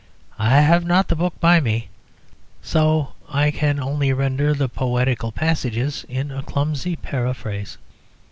I have not the book by me, so I can only render the poetical passages in a clumsy paraphrase.